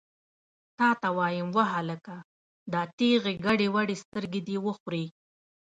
تا ته وایم، وهلکه! دا ټېغې ګډې وډې سترګې دې وخورې!